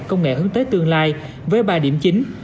công nghệ hướng tới tương lai với ba điểm chính